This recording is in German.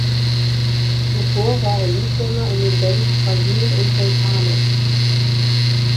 Zuvor war er Leadsänger in den Bands Brazil und Beltane.